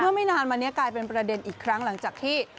ไม่นานมานี้กลายเป็นประเด็นอีกครั้งหลังจากที่